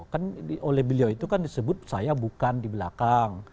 kan oleh beliau itu kan disebut saya bukan di belakang